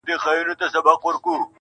پر اسمان یې د پردیو غوبل جوړ دی٫